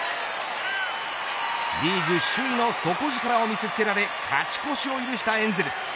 リーグ首位の底力を見せつけられ勝ち越しを許したエンゼルス。